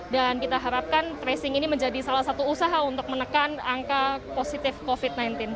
dan kita harapkan tracing ini menjadi salah satu usaha untuk menekan angka positif covid sembilan belas